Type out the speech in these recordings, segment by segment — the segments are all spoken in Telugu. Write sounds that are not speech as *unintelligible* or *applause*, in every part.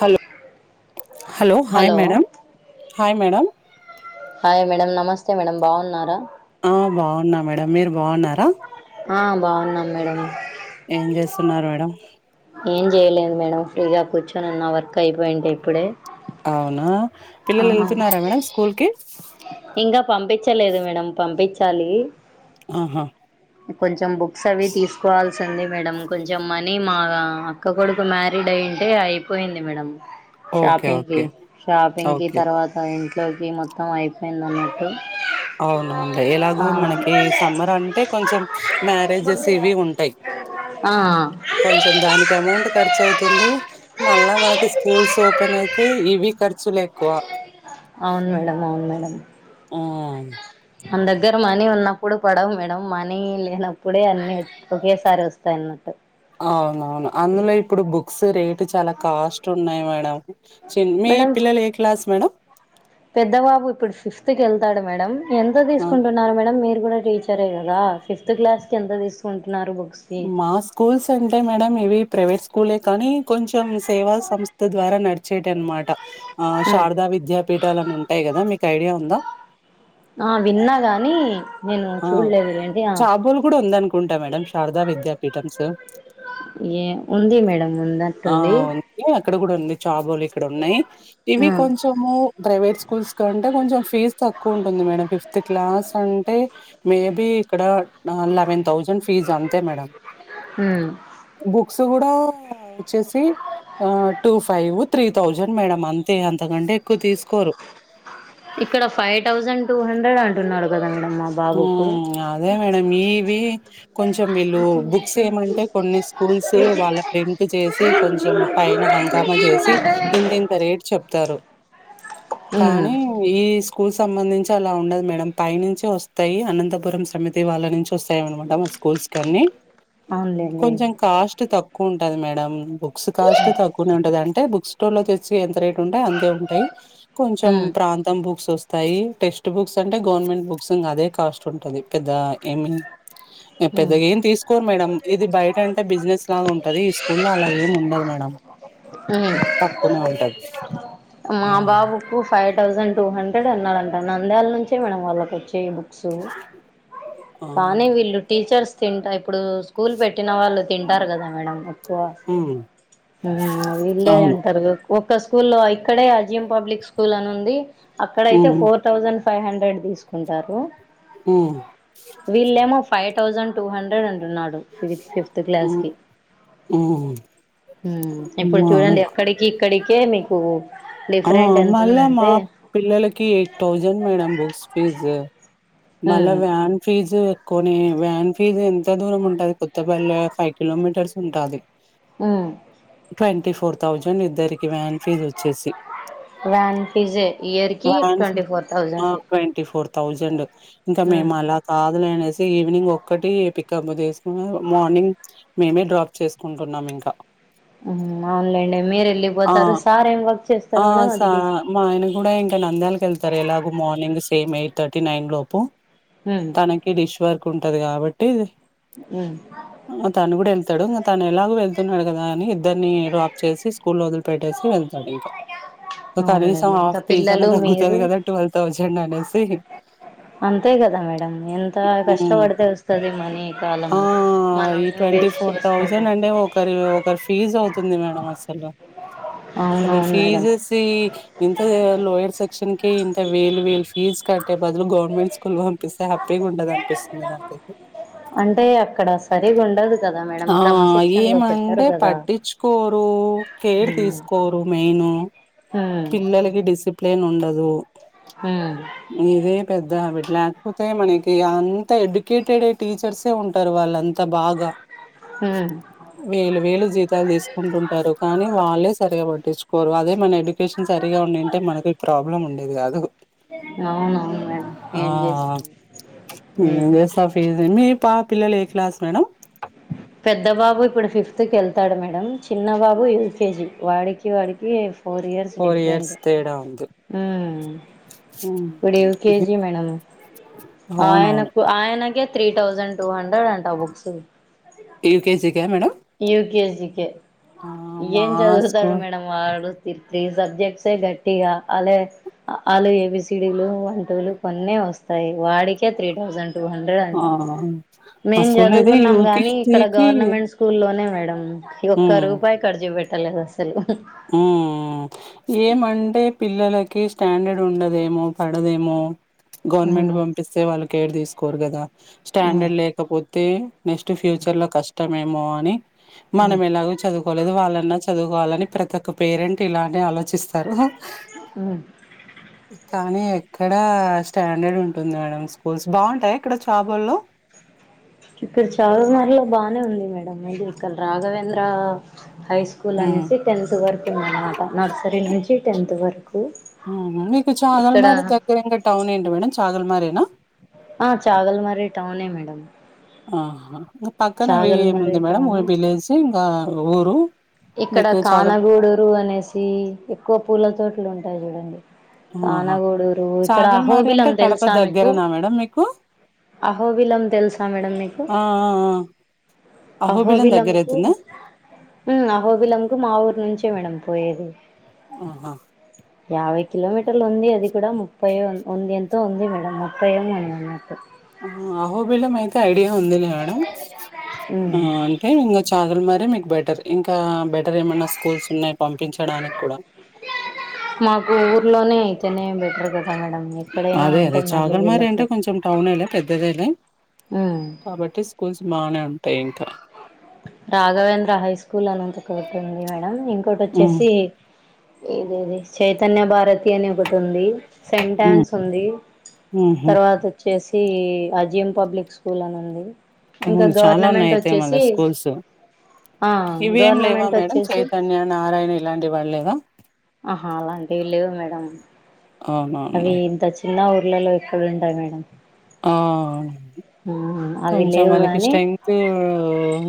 Hello hello hi madam hi madam hi madam నమస్తే మేడమ్ బాగున్నారా ఆ బాగున్నా మేడ మీరు బాగున్నారా ఆ బాగున్నాం మేడం ఏం చేస్తున్నారు మేడం ఏం చేయలేదు మేడం ఫ్రీగా కూర్చొని నా వర్క్ అయిపోయింటే ఇప్పుడే అవునా పిల్లలు ఆహా వెళ్తున్నారా మేడం స్కూల్ కి ఇంకా పంపించలేదు మేడం పంపించాలి ఆహా కొంచెం బుక్స్ అవి తీసుకోవాలి వస్తుంది మేడం కొంచెం మనీ మా అక్క కొడుకు మ్యారీడ్ అయి ఉంటే అయిపోయింది మేడం ఓకే షాపింగ్ కి ఓకే షాపింగ్ కి ఓకే తర్వాత ఇంట్లోకి మొత్తం అయిపోయిందన్నట్టు అవున అంటే ఎలాగో మనకి సమ్మర్ అంటే కొంచెం మ్యారేజెస్ ఇవి ఉంటాయి ఆ కొంచెం దానికి అమౌంట్ ఖర్చు అవుతుంది మళ్ళా మనకి స్కూల్స్ ఓపెన్ అయితే ఇవి ఖర్చులు ఎక్కువ అవును మేడం అవును మేడం ఉమ్ మన దగ్గర మనీ ఉన్నప్పుడు పడవు మేడం మనీ లేనప్పుడే అన్ని ఒకేసారి వస్తాయిన్నట్టు అవునవును అందులో ఇప్పుడు బుక్స్ రేటు చాలా కాస్ట్ ఉన్నాయి మేడం మీ మేడం పిల్లలు ఏ క్లాస్ మేడంమ్ పెద్ద బాబు ఇప్పుడు ఫిఫ్త్ కేళ్తాడు మేడం ఎంత ఆ తీసుకుంటున్నారు మేడం మీ రు టీచరే కదా ఫిఫ్త్ క్లాస్ కి ఎంత తీసుకుం మా స్కూల్స్ అంటే మేడం ఇవి ప్రైవేట్ స్కూలే కానీ కొంచెం సేవా సంస్థ ద్వారా నడిచేటనమాట ఆ ఉమ్. శారదా విద్యాపీఠాలు అని ఉంటాయి కదా మీకు ఐడియా ఉందా ఆ విన్నా గాని నేను ఆ చూడలేదు ఏంటి ఆ చాబోలు కూడా ఉందనుకుంటా మేడం శారదా విద్యాపీఠంస్ ఏ ఉంది మేడం ఉన్నట్టుంది ఇక్కడ కూడా ఉంది చాబులు ఇక్కడ ఉన్నాయి ఇవి ఆ కొంచెము ప్రైవేట్ స్కూల్స్ కంటే కొంచెం ఫీస్ తక్కువ ఉంటుంది మేడం ఫిఫ్త్ క్లాస్ అం టే మే బి ఇక్కడ లెవెన్ థౌసండ్ ఫీజ్ అంతే మేడం ఉమ్ బుక్స్ కూడా వచ్చేసి ఆ two five three thousand madam అంతే అంతకంటే ఎక్కువ తీసుకోరు ఇక్కడ ఫైవ్ థౌజండ్ టూ హండ్రెడ్ అంటున్నారు కదండి ఆ అదే మేడం ఇవి కొంచెం వీళ్ళు బుక్స్ ఏమంటే కొన్ని స్కూల్స్ వాళ్ళ ప్రింట్ చేసి కొంచెం పైన హంగామా చేసి ఇంత ఇంత రేట్ చెప్తారు ఉమ్ కానీ ఈ స్కూల్ సంబంధించి అలా ఉండదు మేడం పై నుంచి వస్తు తాయి అనంతపురం సమితి వాళ్ళ నుంచి వస్తాయి మేడం అటామిక్ స్కూల్స్ కన్ని అవునులేండి కొంచెం కాస్ట్ తక్కువ ఉంటది మేడం బుక్స్ కాస్ట్ తక్కువనే ఉంటాది అంటే బుక్ స్టోర్ లో తెచ్చి ఎంత రేట్ అంటే అంతే ఉంటాయి కొంచెం ఉమ్ ప్రాంతం బుక్స్ వస్త తాయి టెక్స్ట్ బుక్స్ అంటే గవర్నమెంట్ బుక్స్ ఇంగ అదే కాస్ట్ ఉంటాది పెద్ద ఏమి ఉమ్ పెద్దగా ఏం తీసుకోరు మేడం ఇది బయట అంటే బిజినెస్ లాగా ఉంటది ఈ స్కూలో అలా ఏం ఉండదు మేడం ఉమ్ తక్కువనే ఉంటాది ఆ థౌసండ్ టూ హండ్రెడ్ అన్నారాంటా నంద్యాల నుంచే మేడం వాళ్ళకి బుక్స్ ఆ కానీ వీళ్ళు టీచర్స్ తింట ఇప్పుడు స్కూల్ పె పుట్టిన వాళ్ళు తింటారు కదా మేడం ఎక్కువ ఉమ్ వీళ్ళే అవును అంటారు ఒక్క స్కూల్లో ఇక్కడే అజీమ్ పబ్లిక్ స్కూల్ అని ఉంది అక్కడైతే um four thousand five hundred తీసుకుంటారు ఉ వీళ్ళేమో ఫైవ్ థౌజండ్ టూ హండ్రెడ్ అంటున్నాడు ఫి ఫిఫ్త్ క్లాస్ కి ఉమ్ ఉమ్ ఊ ఇప్పుడు మా చూడండి అక్కడికి ఇక్కడికే మిక్ ఆ మళ్ళా మా పిల్లలకి eight thousand madam books fee మల్ల ఉమ్ వ్యాన్ ఫీజు కోని వ్యాన్ ఫీజ్ ఎంత దూరం ఉంటది కొత్తపల్లే ఫైవ్ కిలోమీటర్స్ ఉంటాది మ్ ట్వెంటీ ఫోర్ థౌజండ్ ఇద్దరికి వ్యాన్ ఫీజు వచ్చేసి వ్యాన్ ఫీజే ఇయర్ కి వ్యాన్ ఫీ ట్వంటీ ఫోర్ ఆ థౌజండ్ ట్వంటీ ఫోర్ థౌజండ్ ఇంకా ఉమ్ మేము అలా కాదులేనేసి ఈవినింగ్ ఒక్కటి పికప్ చేసుకున్న మార్నింగ్ మేమే డ్రాప్ చేసుకుంటున్నాం ఇంకా అవున్లేండి మీరు ఆ ఎల్లిపోతారు సార్ ఏం వ ఆ స మా ఆయన కూడా ఇంకా నంద్యాలకు వెళ్తారు ఎలాగ మార్నింగ్ తెం ఎయిట్ థర్టీ నైన్ లోపు ఉమ్ తనకి డిష్ వర్క్ ఉంటది కాబట్టి ఉమ్ ఆ తను కూడా వెళ్తాడు ఇంకా తను ఎలాగు వెళ్తున్నాడు కదా అని ఇద్దరిని డ్రాప్ చేసి స్కూల్ వదిలి పెట్టేసి వెళ్తాడు ఇంకా కనీసం అవునులేండి ఇంకా హాఫ్ పీజ్ అన్న పిల్లలు తగ్గుతది మీరు కదా ట్వల్వ్ థౌజండ్ అనేసి అంతే కదా మేడం ఎంత మ్మ్ కష్టపడితే వస్తాది మనీ కాలం ఆ మనం ఈ ట్వంటీ వేస్ట్ ఫోర్ థౌజండ్ చేసుకుంటాం అంటే ఒకరి ఒకరి ఫీజ్ అవుతుంది మేడం అసలు అసలు ఈ అవునవును మేడం ఫీజెస్ ఈ ఇంత లోయర్ సెక్షన్ కి ఇంత వేలు వేలు ఫీజ్ కట్టే బదులు గవర్నమెంట్ స్కూల్ కి పంపిస్తే హ్యాపీగా ఉంటాది అనిపిస్తుంది నాకైతే అంటే అక్కడ సరిగుండదు ఆ ఏమంటే కదా పట్టించుకోరు కేర్ ఉమ్ తీసుకోరు మెయిన్ ఉమ్ పిల్లలకి డిసిప్లెన్ ఉండదు ఉమ్ ఇదే పెద్ద అవిట్ లేకపోతే మనకి అంత ఎడ్యుకేటెడ్ టీచర్సే ఉంటారు వాళ్ళు అంత బాగా ఉమ్ వేలు వేలు జీతాలు తీసుకుంటుంటారు కానీ వాళ్ళే సరిగాబడ్రు పట్టించుకోరు అదే మన ఎడ్యుకేషన్ సరిగా ఉండేంట మనకి ప్రాబ్లం ఉండేది కాదు అవునవును మేడం ఆ ఏం చేస్తుంది ఉమ్ యుఎస్ ఆఫీస్ పా పిల్లలు ఏ క్లాస్ మేడం పెద్ద బాబు ఇప్పుడు ఫిఫ్త్కి వెళ్తాడు మేడం చిన్న బాబు ఎల్కేజీ వాడికి వాడికి four years four years different తేడా ఉంది గుప్పుడవ కేజి మేడ అవునవును ఆయనకు ఆయనగ త్రీ థౌజండ్ టూ హండ్రెడ్ అంట ఆ బుక్స్ వ కేజీ క మేడ ఏన్ చదువుతాడు స్కూల్ మేడ ఆ త్రీ సబ్జెక్ట్స్ గట్టిగా అ వాళ్ళ ఏబీసిడీలు వంటలు కొన్ని తం ఆ మే మా చ స్కూల్లో అయితే కానీ ఇక్కడ యూకేజీకి గవర్నమెంట్ స్కూల్లోనే మేడం ఒక్క రూపాయి ఖర్చు పెట్టలేదు అసలు ఏ మండే పిల్లలకి స్టాండర్డ్ ఉండదేమో పడదేమో గవర్నమెంట్ పంపిస్తే వాళ్ళ కే తీకోరు కదా స్టాండర్డ్ లేకపోతే నెక్స్ట్ ఫ్యూచర్ క ేమో అని మనం ఎలాగ చదువుకోలేదు వాళ్ళన్నా చదువుకోవాలని ప్ర ఒక పేరెంట్ ఇలానే ఆలోచిస్తారు కానీ ఇక్కడ స్టాండర్డ్ ఉంటుంది మేడం స్కూల్స్ బాగుంటాయి ఇక్కడ చాబల్లో ఇక్కడ చవుమరలో బాగానే ఉంది మేడం అది ఇక్కడ రాఘవేంద్ర హై స్కూల్ హ్మ్ అనేసి టెన్త్ వరకు ఉందనమాట నర్సరీ నుంచి టెన్త్ వరకు మీకు ఇక్కడ చాదల్మారి దగ్గరంగా టౌన్ ఏంటి మేడం చాదల్మారేనా ఆ చాగల్మారి టౌనే మేడం ఆహా పక్కన అవి చాగల్మరే ఏముంది మేడం టౌను విలేజ్ ఇంకా ఊరు ఇక్కడ మీకు చాగల్ కానగూడరు అనేసి ఎక్కువ పూల చోట్లు ఉంటాయి చూడండి ఆహా కానగోడూరు ఇక్కడ చాగల్ మారి అహోబిలం అంటే కడప తెలుసా మీకు దగ్గరనా మేడం మీకు అహోబిలం తెలుసా మేడం మీకు ఆ ఆ ఆ! అహో అహోబిలం దగ్గర వలంకు అయితుందా అహోబిలంకు మా ఊరు నుంచే మేడం పోయేది ఆహా యాభై కిలోమీటర్లు ఉంది అది కూడా ముప్పై ఉంది ఎంతో ఉంది మేడం ముప్పై ఉంది అ నాకు ఆ ఆహోబిలం అయితే ఐడియా ఉంది మేడం ఆ ఉమ్ అంటే కాదులు మరి మీకు బెటర్ ఇంకా బెటర్ ఏమైన్నా స్కూల్స్ ఉన్నాయి పంపించడానికి కూడా మాకు ఊర్లోనే అయితేనే బెటర్ కదా మేడం ఎక్కడైనా అదే అదే అంటే మళ్ళీ చాగల్మారి వీళ్ళకు అంటే కొంచెం టౌన్లే పెద్దదేలే ఉమ్ కాబట్టి స్కూల్స్ బానే ఉంటాయి ఇంకా రాఘవేంద్ర హై స్కూల్ అనంతకోటి ఉంది మేడం ఇంకోటి ఉమ్ వచ్చేసి ఏది ఇది చైతన్య భారతి అని ఒకటి ఉంది ఉమ్ సెంటాన్స్ ఉంది ఉహు తర్వాత వచ్చి వచ్చేసి అజయం పబ్లిక్ స్కూల్ అని ఉంది ఇంకా అవును చాలా ఉన్నాయి గవర్నమెంట్ అయితే మళ్ళ వచ్చేసి స్కూల్స్ ఆ ఇవేం లేవా గవర్నమెంట్ మేడం వచ్చేసి చైతన్య నారాయణ ఇలాంటి వాళ లేవా ఆహా అలాంటివి లేవు మేడం అవి అవునవునులే ఇంత చిన్న పిల్లలు ఎక్కడుండారు మేడం ఆ ఉ హు కొంచం వాళ్ళకి స్ట్రెన్త్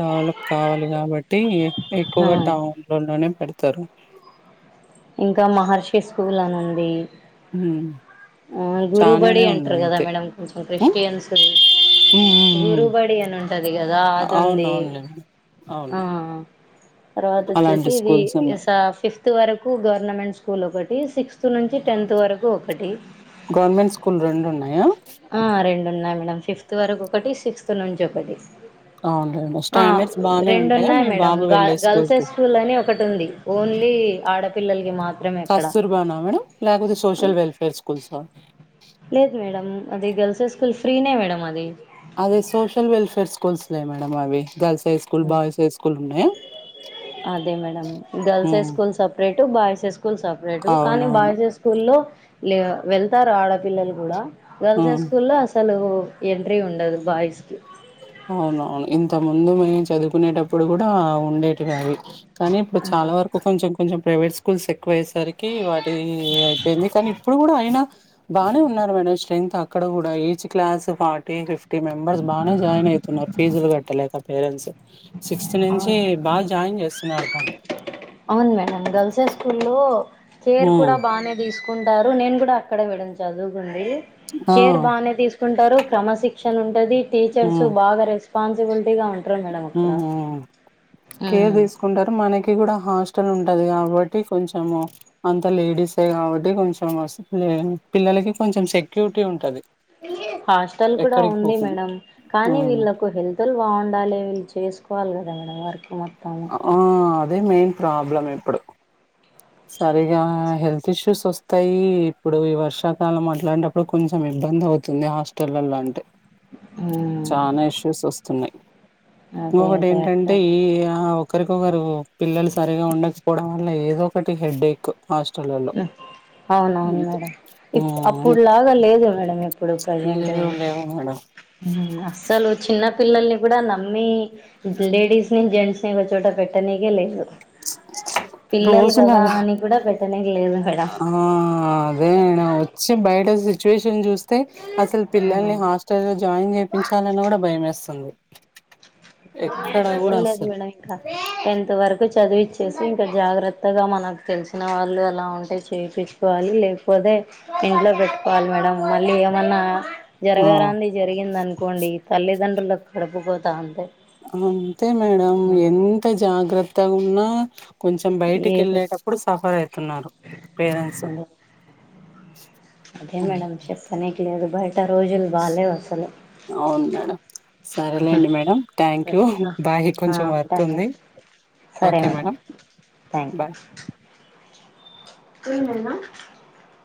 డెవలప్ కావాలి కాబట్టి ఆ ఎక్కువగా మాలోనే పెడతారు ఇంకా మహర్షి స్కూల్ అని ఉంది ఉ ఆ గురుబడి అంటరు కదా మేడంమ్ కొంచెం హ్మ్. క్రిస్టియన్స్ హ్మ్. హ్మ్. హ్మ్. గురుబడి అని ఉంటది కదా అది ఉంది అవునవునులేండి. ఆ అవును. తర్వాత వచ్చేసి అలాంటి ఇది స్కూల్స్ ఉన్నాయి. ఫిఫ్త్ వరకు గ గవర్నమెంట్ స్కూల్ ఒకటి సిక్స్త్ నుంచి టెన్త్ వరకు ఒకటి గవర్నమెంట్ స్కూల్ రెండు ఉన్నాయా ఆ రెండు ఉన్నాయి మేడంమ్ ఫిఫ్త్ వరకు ఒకటి సిక్స్త్ నుంచి ఒకటి అవునులేండి. ఆ స్టాండర్డ్స్ బానే రెండు ఉంటాయా ఉన్నాయి మీ మేడం బాబు వెళ్ళే గర్ల్స్ హే స్కూల్‌కి? స్కూల్ అని ఒకటి ఉంది ఓన్ ఆడపిల్లల కి మాత్రం కస్తూరిబా నా మేడంమ్ లేకపోతే సోషల్ వెల్ఫేర్ స్కూల్స లేదు మేడం అది గల్స్ హై స్కూల్ ఫ్రీనే మేడంమ్ అది స్కూల్స్ మేడం అవి girls high school boys high school ఉన్నాయా అదే మేడం గర్ల్స్ హే హ్మ్. స్కూల్ సపరేటు బాయ్స్ హే స్కూల్ సపరేటు కానీ అవునవును. బాయ్స్ హే స్కూల్లో లే వెళ్తారు ఆడపిల్లలు కూడా గర్ల్స్ హై హ్మ్. స్కూల్ లో అసలు ఎంట్రీ ఉండదు బాయ్స్ కి అవునవును ఇంత ముందు మీము చదువుకునేటప్పుడు కూడా అవును ఉండేవి అవి కానీ ఇప్పుడు ఆహా చాలా వరకు కొంచెం కొంచెం ప్రైవేట్ స్కూల్స్ ఎక్కువేస్తనె సరికి వాటి అయిపోయింది కానీ ఇప్పుడు కూడా అయినా బాగానే ఉన్నారు మేడం స్ట్రెంగ్త్ ఇక్కడ కూడా each class forty fifty members బానే జాయిన్ అయి ఫీజులు కట్టలేక పేరెంట్స్ సిక్స్త్ నుంచి అవును బాగా జాయిన్ చేస్తున్నారు దాంట్లో అవును మేడం గర్ల్స హై స్కూలో కేర్ హ్మ్ కూడా బానే తీసుకుంటారు నేను కూడా అక్కడే మేడం చదువుకుంది ఆ కేర్ బాగానే తీసుకుంటారు క్రమశిక్షణ ఉంటుది టీచర్స్ బాగా రెస్పాన్సిబిలిటీ గా ఉంటంది ఉ హు కేర్ ఉమ్ తీసుకుంటారు మనకి కూడా హాస్టల్ ఉంటది కాబట్టి కొంచెము అంత లేడీస్ సే కాబట్టి కొంచెం పిల్లలకి కొంచెం సెక్యూరిటీ ఉంటది హాస్టల్ కూడా ఎక్కడికి ఉంది పోకుండా మేడం కానీ మ్మ్ వీళ్ళలకు హెల్త్ బాగుండాలి వీళ్ళ చేసుకోవాలి కదా మేడం వర్క్ మొత్తము ఆ అదే మెయిన్ ప్రాబ్లం ఇప్పుడు సరిగా హెల్త్ ఇష్యూస్ వస్తాయి ఇప్పుడు ఈ వర్షాకాలం అట్లాడేటప్పుడు కొంచెం ఏం ఇబ్బంద్ అవుతుంది హాస్టల్ల్లో అంటే ఉమ్, చాలా ఇష్యూస్ వస్తున్నాయి అదే ఇంకొకటి అదే అట్లా ఏంటంటే ఈ ఆ ఒకరికొకరు పిల్లలు సరిగా ఉండకపోడం మళ్ళ ఏదో ఒకటి హెడేక్ హాస్టలల్లో అవునవును మేడం అప్పుడులాగా లేదు మేడం ఇప్పుడు ప్రజెంట్ లేవు లేవు మేడం అస్సల్ చిన్న పిల్లల్ని కూడా నమ్మి లేడీస్ ని జెంట్స్ ని ఒక చోట పెట్టనీకే లేదు పిల్లలు రోజులు కదా అలా అని కూడా పెట్ట ఆ అదే మేడం వచ్చి బయట సిచ్యువేషన్ చూస్తెతే అసలు పిల్లల్ని మేడం హాస్టల్లో జాయిన్ చేపించాలనా కూడా భయమేస్తంది ఏం లేదు మేడం ఇంకా టెన్త్ వరకు చదివిచ్చి వచ్చేసి ఇంకా జాగ్రత్తగా మనకు తెలిసిన వాళ్ళు అలా ఉంటే చేపిచుకోవాలి లేకపోతే ఇంట్లో పెట్టుకోవాలి మేడం మళ్ళీ ఏమన్నా ఆ జరగరాంది జరిగింది అనుకోండి తల్లిదండ్రులకు కడుపుకోతా అంతే అంతే మేడం ఎంత జాగ్రత్త ఉన్నా కొంచెం బయటికి ఏదో ఎళ్ళేటప్పుడు సఫర్ అయితున్నారు పేరెంట్సు అదే అదే మేడం చెప్పనే లేదు బయట రోజులు బాగాలేేవు అసలు అవును మేడం సరేలేండి మేడం థ్యాంక్ యూ సరే బాయి ఆ కొంచెం వర్క్ ఉంటాను ఉంది మేడం సరే okay madam madam thank bye you *unintelligible*